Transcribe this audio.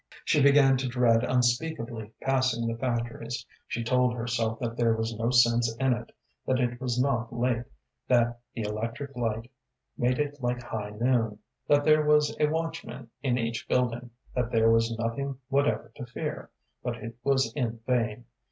She began to dread unspeakably passing the factories. She told herself that there was no sense in it, that it was not late, that the electric light made it like high noon, that there was a watchman in each building, that there was nothing whatever to fear; but it was in vain.